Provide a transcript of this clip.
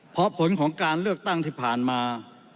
เพราะผลของการเลือกตั้งที่ผ่านมา